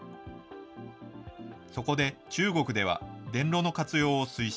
そこで中国では、電炉の活用を推進。